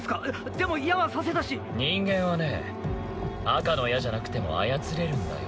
でも矢は刺せたし人間はね赤の矢じゃなくても操れるんだよ